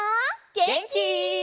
げんき？